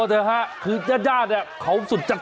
ขอบคุณครับขอบคุณครับ